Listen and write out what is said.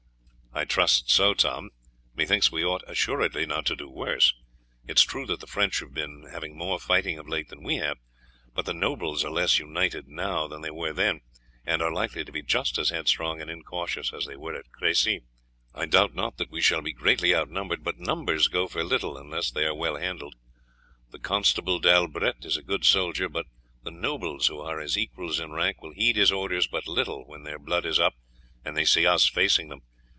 "I trust so, Tom; methinks we ought assuredly not to do worse. It is true that the French have been having more fighting of late than we have, but the nobles are less united now than they were then, and are likely to be just as headstrong and incautious as they were at Crecy. I doubt not that we shall be greatly outnumbered, but numbers go for little unless they are well handled. The Constable d'Albrett is a good soldier, but the nobles, who are his equals in rank, will heed his orders but little when their blood is up and they see us facing them.